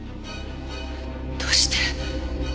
どうして。